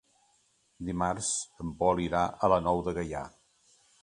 Dimarts en Pol irà a la Nou de Gaià.